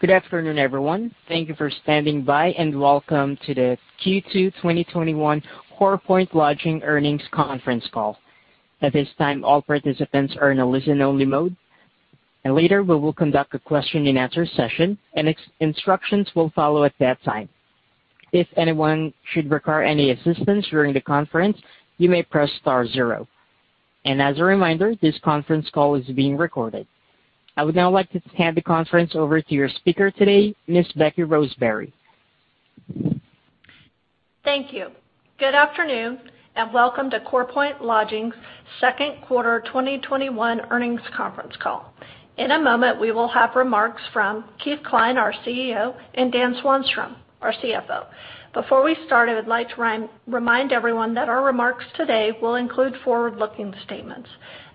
Good afternoon, everyone. Thank you for standing by, and welcome to the Q2 2021 CorePoint Lodging Earnings Conference Call. At this time, all participants are in a listen-only mode. Later, we will conduct a question-and-answer session, and instructions will follow at that time. If anyone should require any assistance during the conference, you may press star zero. And as a reminder, this conference call is being recorded. I would now like to hand the conference over to your speaker today, Ms. Becky Roseberry. Thank you. Good afternoon, and welcome to CorePoint Lodging's second quarter 2021 earnings conference call. In a moment, we will have remarks from Keith Cline, our CEO, and Dan Swanstrom, our CFO. Before we start, I would like to remind everyone that our remarks today will include forward-looking statements.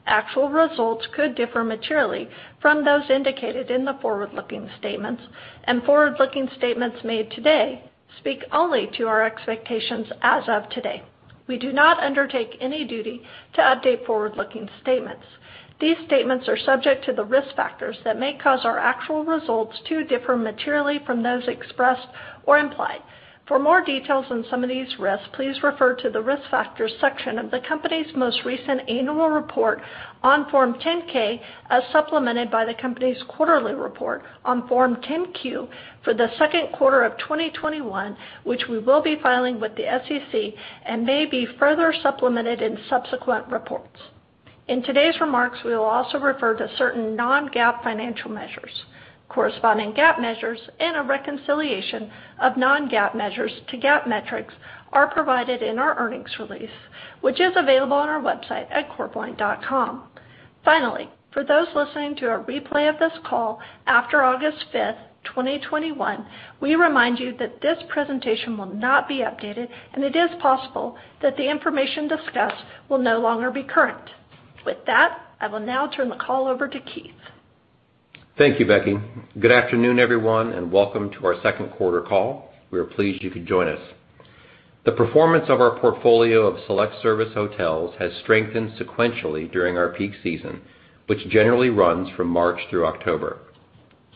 Actual results could differ materially from those indicated in the forward-looking statements, and forward-looking statements made today speak only to our expectations as of today. We do not undertake any duty to update forward-looking statements. These statements are subject to the risk factors that may cause our actual results to differ materially from those expressed or implied. For more details on some of these risks, please refer to the Risk Factors section of the company's most recent annual report on Form 10-K, as supplemented by the company's quarterly report on Form 10-Q for the second quarter of 2021, which we will be filing with the SEC and may be further supplemented in subsequent reports. In today's remarks, we will also refer to certain non-GAAP financial measures. Corresponding GAAP measures and a reconciliation of non-GAAP measures to GAAP metrics are provided in our earnings release, which is available on our website at corepoint.com. Finally, for those listening to a replay of this call after August 5th, 2021, we remind you that this presentation will not be updated, and it is possible that the information discussed will no longer be current. With that, I will now turn the call over to Keith. Thank you, Becky. Good afternoon, everyone, and welcome to our second quarter call. We are pleased you could join us. The performance of our portfolio of select service hotels has strengthened sequentially during our peak season, which generally runs from March through October.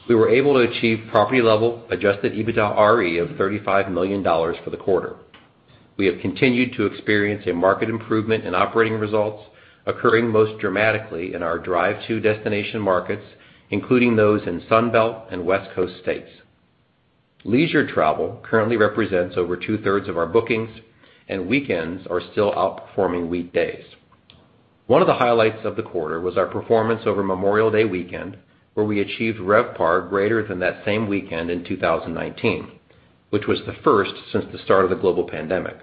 We were able to achieve property-level adjusted EBITDARE of $35 million for the quarter. We have continued to experience a market improvement in operating results, occurring most dramatically in our drive-to destination markets, including those in Sun Belt and West Coast states. Leisure travel currently represents over two-thirds of our bookings, and weekends are still outperforming weekdays. One of the highlights of the quarter was our performance over Memorial Day weekend, where we achieved RevPAR greater than that same weekend in 2019, which was the first since the start of the global pandemic.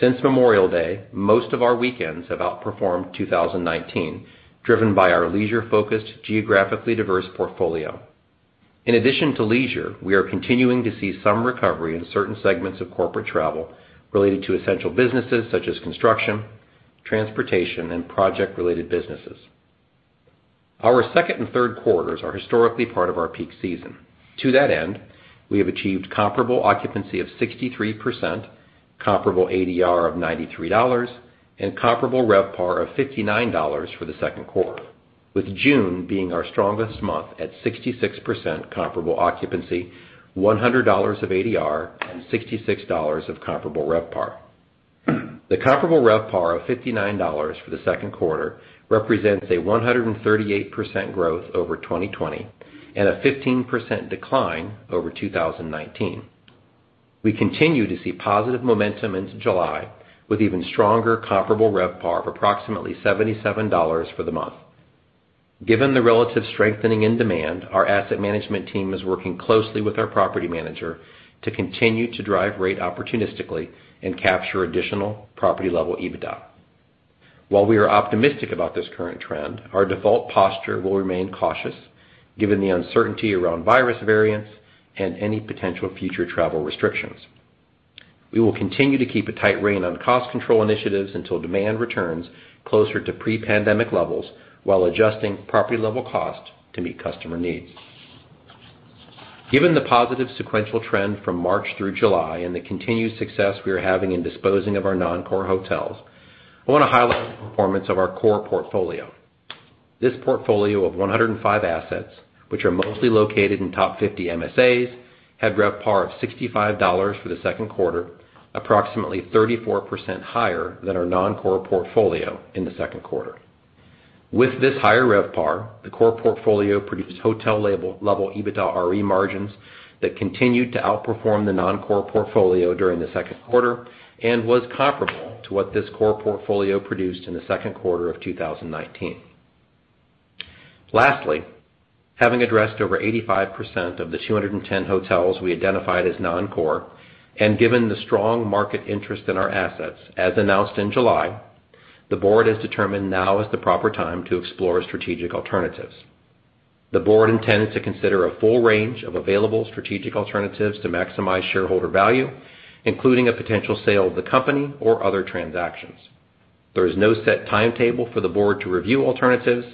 Since Memorial Day, most of our weekends have outperformed 2019, driven by our leisure-focused, geographically diverse portfolio. In addition to leisure, we are continuing to see some recovery in certain segments of corporate travel related to essential businesses such as construction, transportation, and project-related businesses. Our second and third quarters are historically part of our peak season. To that end, we have achieved comparable occupancy of 63%, comparable ADR of $93, and comparable RevPAR of $59 for the second quarter, with June being our strongest month at 66% comparable occupancy, $100 of ADR, and $66 of comparable RevPAR. The comparable RevPAR of $59 for the second quarter represents a 138% growth over 2020 and a 15% decline over 2019. We continue to see positive momentum into July, with even stronger comparable RevPAR of approximately $77 for the month. Given the relative strengthening in demand, our asset management team is working closely with our property manager to continue to drive rate opportunistically and capture additional property-level EBITDA. While we are optimistic about this current trend, our default posture will remain cautious given the uncertainty around virus variants and any potential future travel restrictions. We will continue to keep a tight rein on cost control initiatives until demand returns closer to pre-pandemic levels while adjusting property-level cost to meet customer needs. Given the positive sequential trend from March through July and the continued success we are having in disposing of our non-core hotels, I want to highlight the performance of our core portfolio. This portfolio of 105 assets, which are mostly located in top 50 MSAs, had RevPAR of $65 for the second quarter, approximately 34% higher than our non-core portfolio in the second quarter. With this higher RevPAR, the core portfolio produced hotel level EBITDARE margins that continued to outperform the non-core portfolio during the second quarter and was comparable to what this core portfolio produced in the second quarter of 2019. Lastly, having addressed over 85% of the 210 hotels we identified as non-core, and given the strong market interest in our assets, as announced in July, the board has determined now is the proper time to explore strategic alternatives. The board intends to consider a full range of available strategic alternatives to maximize shareholder value, including a potential sale of the company or other transactions. There is no set timetable for the board to review alternatives,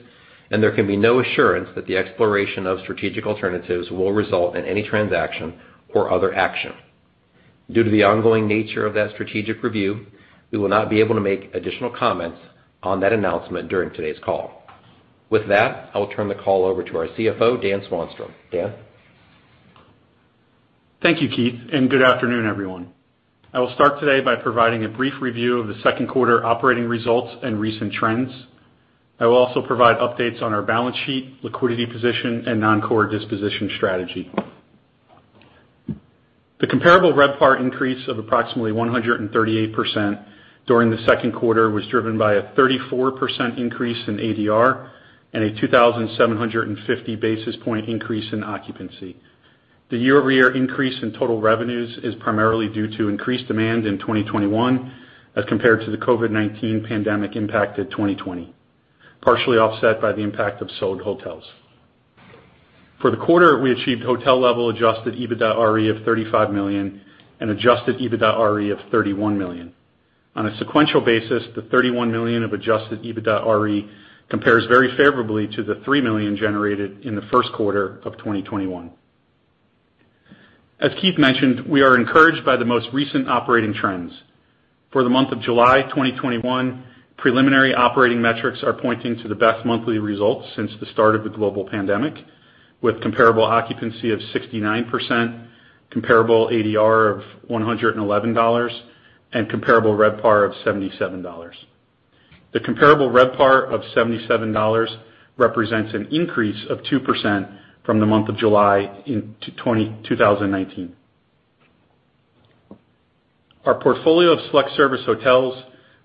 and there can be no assurance that the exploration of strategic alternatives will result in any transaction or other action. Due to the ongoing nature of that strategic review, we will not be able to make additional comments on that announcement during today's call. With that, I will turn the call over to our CFO, Daniel Swanstrom. Dan? Thank you, Keith, and good afternoon, everyone. I will start today by providing a brief review of the second quarter operating results and recent trends. I will also provide updates on our balance sheet, liquidity position, and non-core disposition strategy. The comparable RevPAR increase of approximately 138% during the second quarter was driven by a 34% increase in ADR and a 2,750 basis point increase in occupancy. The year-over-year increase in total revenues is primarily due to increased demand in 2021 as compared to the COVID-19 pandemic impact at 2020, partially offset by the impact of sold hotels. For the quarter, we achieved hotel level adjusted EBITDARE of $35 million and adjusted EBITDARE of $31 million. On a sequential basis, the $31 million of adjusted EBITDARE compares very favorably to the $3 million generated in the first quarter of 2021. As Keith mentioned, we are encouraged by the most recent operating trends. For the month of July 2021, preliminary operating metrics are pointing to the best monthly results since the start of the global pandemic with comparable occupancy of 69%, comparable ADR of $111, and comparable RevPAR of $77. The comparable RevPAR of $77 represents an increase of 2% from the month of July in 2019. Our portfolio of select service hotels,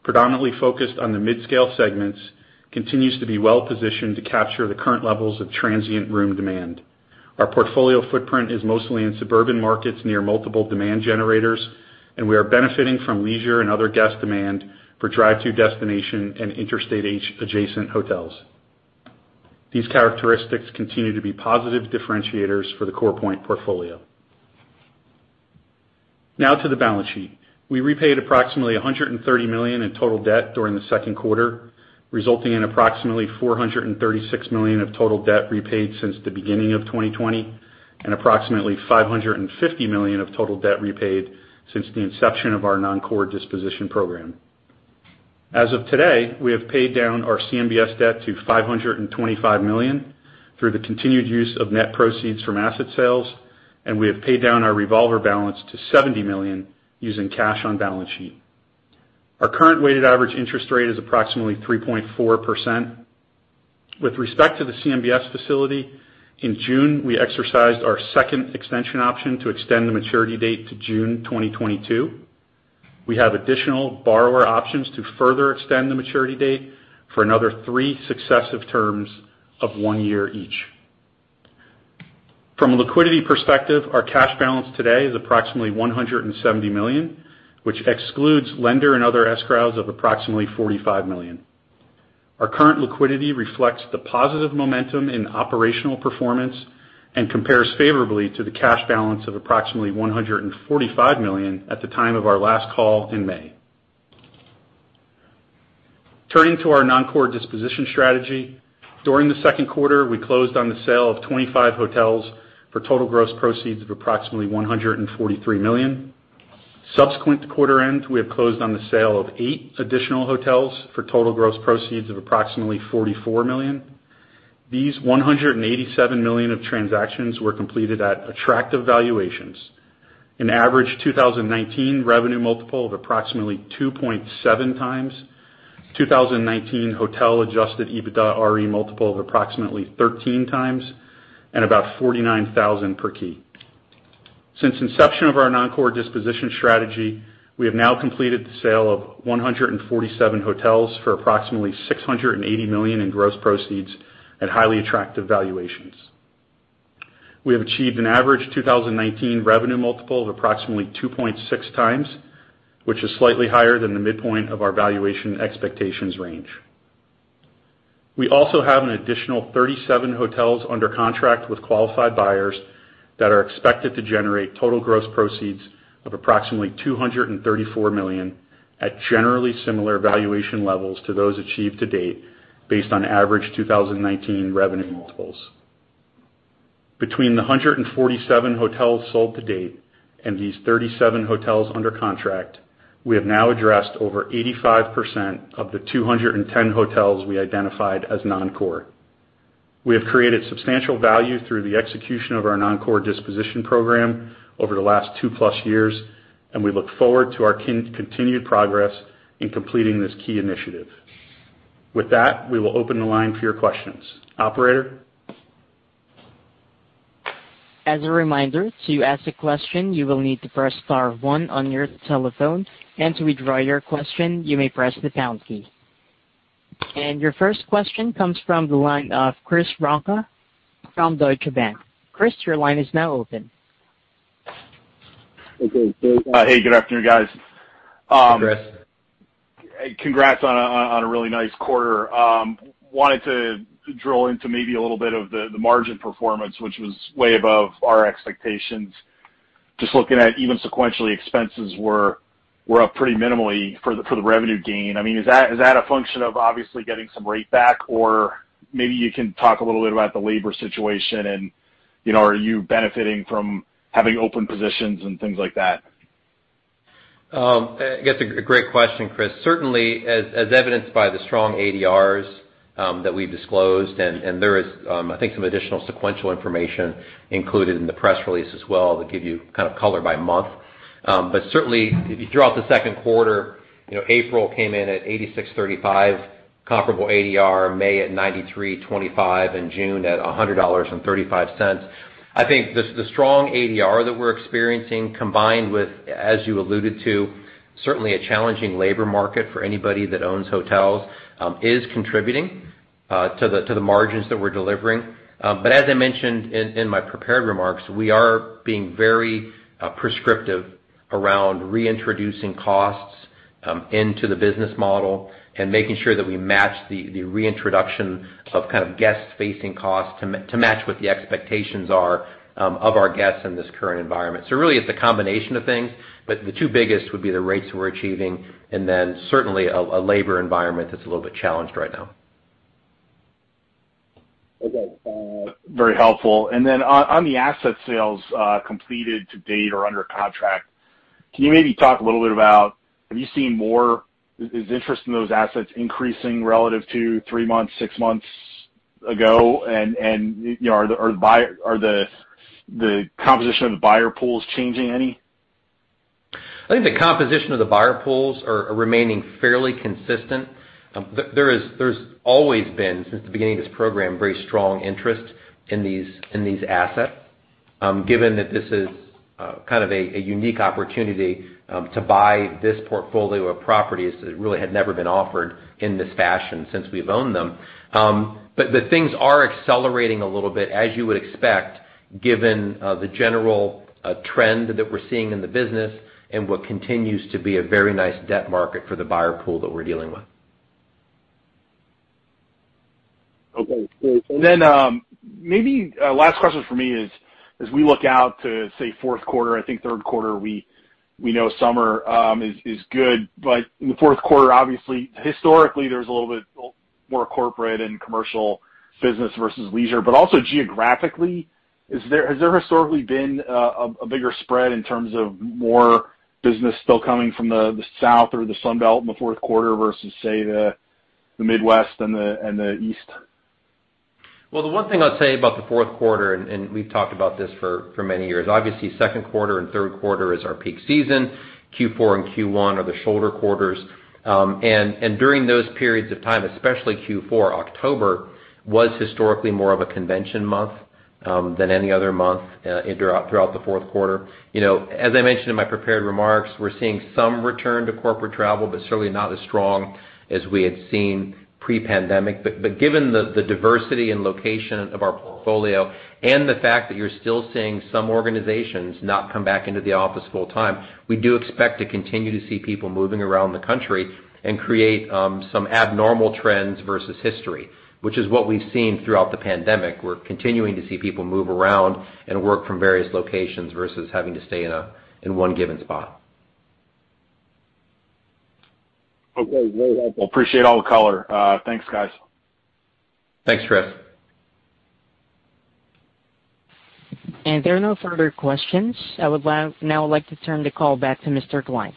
predominantly focused on the mid-scale segments, continues to be well-positioned to capture the current levels of transient room demand. We are benefiting from leisure and other guest demand for drive to destination and interstate adjacent hotels. These characteristics continue to be positive differentiators for the CorePoint portfolio. Now to the balance sheet. We repaid approximately $130 million in total debt during the second quarter, resulting in approximately $436 million of total debt repaid since the beginning of 2020 and approximately $550 million of total debt repaid since the inception of our non-core disposition program. As of today, we have paid down our CMBS debt to $525 million through the continued use of net proceeds from asset sales, and we have paid down our revolver balance to $70 million using cash on balance sheet. Our current weighted average interest rate is approximately 3.4%. With respect to the CMBS facility, in June, we exercised our second extension option to extend the maturity date to June 2022. We have additional borrower options to further extend the maturity date for another three successive terms of one year each. From a liquidity perspective, our cash balance today is approximately $170 million, which excludes lender and other escrows of approximately $45 million. Our current liquidity reflects the positive momentum in operational performance and compares favorably to the cash balance of approximately $145 million at the time of our last call in May. Turning to our non-core disposition strategy. During the second quarter, we closed on the sale of 25 hotels for total gross proceeds of approximately $143 million. Subsequent to quarter end, we have closed on the sale of eight additional hotels for total gross proceeds of approximately $44 million. These $187 million of transactions were completed at attractive valuations. An average 2019 revenue multiple of approximately 2.7x, 2019 hotel adjusted EBITDARE multiple of approximately 13x, and about $49,000 per key. Since inception of our non-core disposition strategy, we have now completed the sale of 147 hotels for approximately $680 million in gross proceeds at highly attractive valuations. We have achieved an average 2019 revenue multiple of approximately 2.6x, which is slightly higher than the midpoint of our valuation expectations range. We also have an additional 37 hotels under contract with qualified buyers that are expected to generate total gross proceeds of approximately $234 million at generally similar valuation levels to those achieved to date based on average 2019 revenue multiples. Between the 147 hotels sold to date and these 37 hotels under contract, we have now addressed over 85% of the 210 hotels we identified as non-core. We have created substantial value through the execution of our non-core disposition program over the last 2+ years, and we look forward to our continued progress in completing this key initiative. With that, we will open the line for your questions. Operator? As a reminder, to ask a question, you will need to press star one on your telephone, and to withdraw your question, you may press the pound key. Your first question comes from the line of Chris Woronka from Deutsche Bank. Chris, your line is now open. Hey, good afternoon, guys. Hey, Chris. Congrats on a really nice quarter. I wanted to drill into maybe a little bit of the margin performance, which was way above our expectations. Just looking at even sequentially, expenses were up pretty minimally for the revenue gain. Is that a function of obviously getting some rate back? Or maybe you can talk a little bit about the labor situation and are you benefiting from having open positions and things like that? That's a great question, Chris. Certainly, as evidenced by the strong ADRs that we've disclosed, there is, I think, some additional sequential information included in the press release as well that give you kind of color by month. Certainly, throughout the second quarter, April came in at $86.35 comparable ADR, May at $93.25, and June at $100.35. I think the strong ADR that we're experiencing combined with, as you alluded to, certainly a challenging labor market for anybody that owns hotels, is contributing to the margins that we're delivering. As I mentioned in my prepared remarks, we are being very prescriptive around reintroducing costs into the business model and making sure that we match the reintroduction of kind of guest-facing costs to match what the expectations are of our guests in this current environment. It's a combination of things, but the two biggest would be the rates we're achieving and then certainly a labor environment that's a little bit challenged right now. Okay. Very helpful. On the asset sales completed to date or under contract, can you maybe talk a little bit about, is interest in those assets increasing relative to three months, six months ago? Are the composition of the buyer pools changing any? I think the composition of the buyer pools are remaining fairly consistent. There has always been, since the beginning of this program, very strong interest in these assets, given that this is kind of a unique opportunity to buy this portfolio of properties that really had never been offered in this fashion since we have owned them. The things are accelerating a little bit, as you would expect, given the general trend that we are seeing in the business and what continues to be a very nice debt market for the buyer pool that we are dealing with. Okay. Maybe last question from me is, as we look out to, say, fourth quarter, I think third quarter, we know summer is good. In the fourth quarter, obviously, historically, there's a little bit more corporate and commercial business versus leisure. Also geographically, has there historically been a bigger spread in terms of more business still coming from the South or the Sun Belt in the fourth quarter versus, say, the Midwest and the East? Well, the one thing I'd say about the fourth quarter, we've talked about this for many years. Obviously, second quarter and third quarter is our peak season. Q4 and Q1 are the shoulder quarters. During those periods of time, especially Q4, October was historically more of a convention month than any other month throughout the fourth quarter. As I mentioned in my prepared remarks, we're seeing some return to corporate travel, but certainly not as strong as we had seen pre-pandemic. Given the diversity and location of our portfolio and the fact that you're still seeing some organizations not come back into the office full time, we do expect to continue to see people moving around the country and create some abnormal trends versus history, which is what we've seen throughout the pandemic. We're continuing to see people move around and work from various locations versus having to stay in one given spot. Okay. Very helpful. Appreciate all the color. Thanks, guys. Thanks, Chris. There are no further questions. I would now like to turn the call back to Mr. Cline.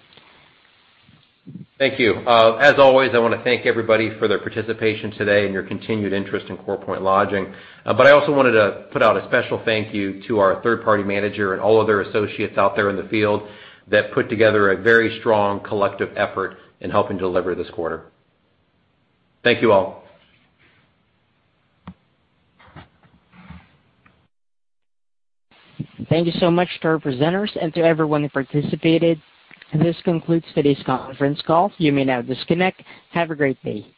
Thank you. As always, I want to thank everybody for their participation today and your continued interest in CorePoint Lodging. I also wanted to put out a special thank you to our third-party manager and all other associates out there in the field that put together a very strong collective effort in helping deliver this quarter. Thank you all. Thank you so much to our presenters and to everyone who participated. This concludes today's conference call. You may now disconnect. Have a great day.